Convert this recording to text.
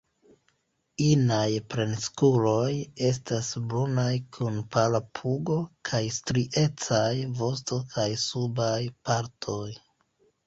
Inaj plenkreskuloj estas brunaj kun pala pugo, kaj striecaj vosto kaj subaj partoj.